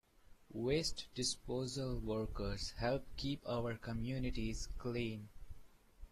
Waste disposal workers help keep our communities clean.